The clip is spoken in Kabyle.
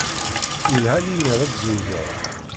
Yelha lemmer ad tzewǧeḍ.